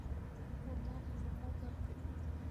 Formó parte del Club de Regatas de Alicante.